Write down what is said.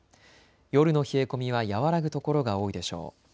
夜の冷え込みは和らぐところが多いでしょう。